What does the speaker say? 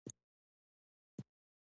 زه